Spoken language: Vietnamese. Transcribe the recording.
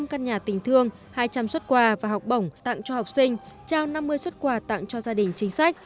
năm căn nhà tình thương hai trăm linh xuất quà và học bổng tặng cho học sinh trao năm mươi xuất quà tặng cho gia đình chính sách